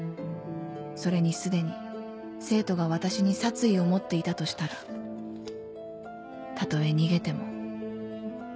それに既に生徒が私に殺意を持っていたとしたらたとえ逃げても